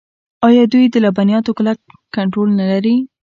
آیا دوی د لبنیاتو کلک کنټرول نلري؟